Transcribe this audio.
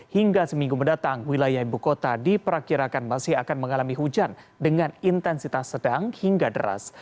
hingga seminggu mendatang wilayah ibu kota diperkirakan masih akan mengalami hujan dengan intensitas sedang hingga deras